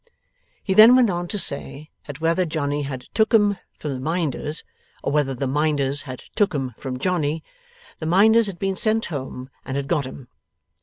He then went on to say that whether Johnny had 'took 'em' from the Minders, or whether the Minders had 'took 'em from Johnny, the Minders had been sent home and had 'got 'em.